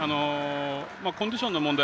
コンディションの問題